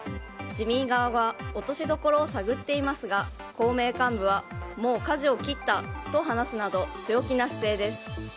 自民側は落としどころを探っていますが公明幹部はもうかじを切ったと話すなど強気な姿勢です。